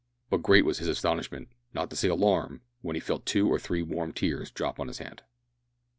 But great was his astonishment, not to say alarm, when he felt two or three warm tears drop on his hand.